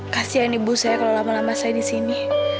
kasian ibu saya kalau lama lama saya di sini